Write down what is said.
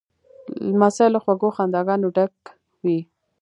لمسی له خوږو خنداګانو ډک وي.